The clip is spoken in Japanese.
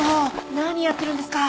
何やってるんですか！